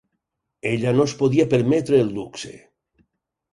Ella no es podia permetre el luxe